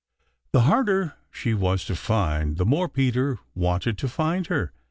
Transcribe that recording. The harder she was to find, the more Peter wanted to find her.